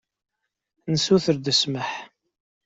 Nessuter-d ssmaḥ.